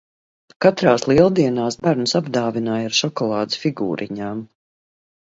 Katrās Lieldienās bērnus apdāvināja ar šokolādes figūriņām.